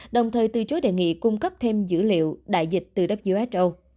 đồng thời từ chối đề nghị cung cấp thêm dữ liệu đại dịch từ who